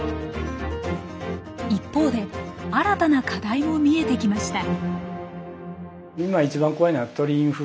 一方で新たな課題も見えてきました。